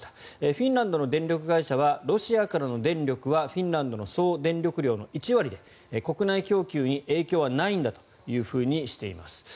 フィンランドの電力会社はロシアからの電力はフィンランドの総電力量の１割で国内供給に影響はないんだとしています。